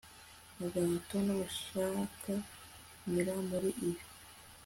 agahato n'ubishaka nyura muri iyo